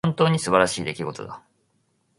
本当に素晴らしい出来事だ。